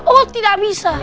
oh tidak bisa